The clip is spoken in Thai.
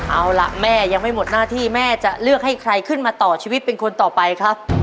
เอาล่ะแม่ยังไม่หมดหน้าที่แม่จะเลือกให้ใครขึ้นมาต่อชีวิตเป็นคนต่อไปครับ